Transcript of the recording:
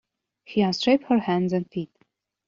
He unstrapped her hands and feet.